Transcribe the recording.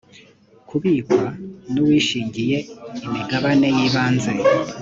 kubikwa n uwishingiye imigabane y ibanze